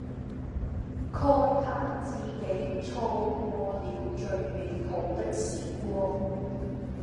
慨嘆自己錯過了最美好的時光